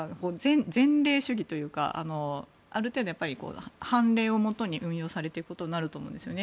前例主義というかある程度、判例をもとに運用されていることになると思うんですよね。